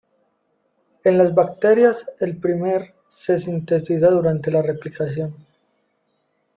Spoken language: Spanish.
En las bacterias, el primer se sintetiza durante la replicación.